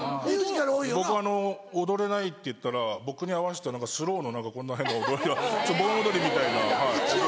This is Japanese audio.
僕踊れないって言ったら僕に合わしたスローのこんな変な踊りを盆踊りみたいな踊りを。